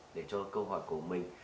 để cho câu hỏi của mình